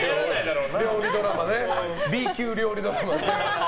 Ｂ級料理ドラマ。